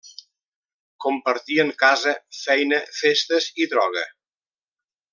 Compartien casa, feina, festes i droga.